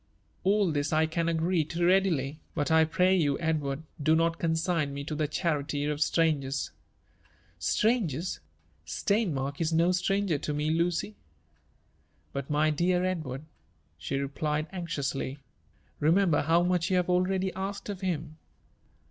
All this I can agree to readily : but I pray you, Edward, do not consign me to the charity of strangers.' •'^ Strangers ! ^Steinmark is no stranger to me, Lucy." '* But, my dear Edward," she replied anxiously, remember how much yoii have already asked of him.